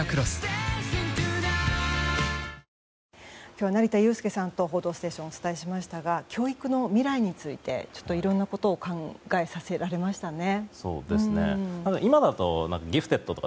今日は成田悠輔さんと「報道ステーション」お伝えしましたが教育の未来についていろんなことを考えさせられましたね。